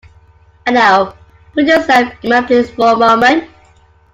And now put yourself in my place for a moment.